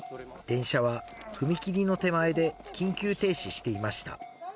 電車は踏切の手前で緊急停止していました。